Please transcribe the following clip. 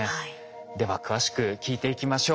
では詳しく聞いていきましょう。